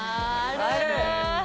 ある。